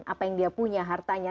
apa yang dia punya hartanya